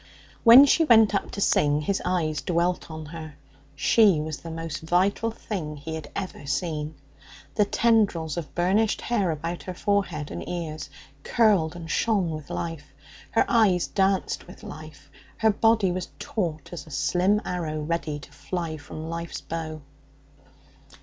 When she went up to sing, his eyes dwelt on her. She was the most vital thing he had ever seen. The tendrils of burnished hair about her forehead and ears curled and shone with life; her eyes danced with life; her body was taut as a slim arrow ready to fly from life's bow.